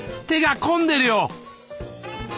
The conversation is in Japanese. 手が込んでるよ！